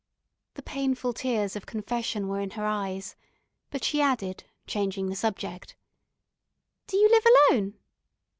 The painful tears of confession were in her eyes, but she added, changing the subject: "Do you live alone?"